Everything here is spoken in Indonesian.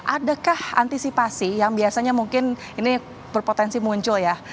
adakah antisipasi yang biasanya mungkin ini berpotensi muncul ya